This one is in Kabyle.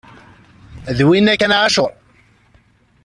D winna kan a ɛacur!